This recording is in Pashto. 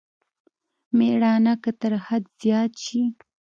مېړانه که تر حد زيات شي.